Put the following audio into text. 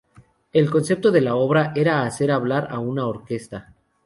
El concepto de la obra era "hacer hablar a una orquesta".